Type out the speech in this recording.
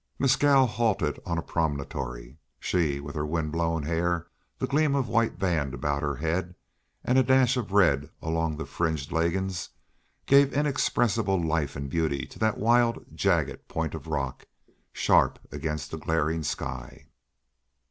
Mescal halted on a promontory. She, with her windblown hair, the gleam of white band about her head, and a dash of red along the fringed leggings, gave inexpressible life and beauty to that wild, jagged point of rock, sharp against the glaring sky.